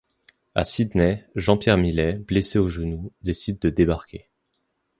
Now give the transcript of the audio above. A Sydney, Jean-Pierre Millet, blessé au genou, décide de débarquer.